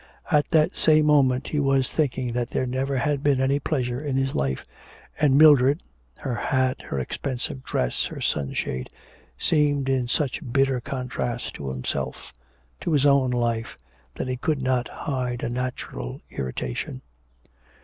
At that same moment he was thinking that there never had been any pleasure in his life; and Mildred her hat, her expensive dress, her sunshade seemed in such bitter contrast to himself, to his own life, that he could not hide a natural irritation.